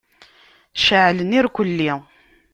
Ceɛlen irkulli.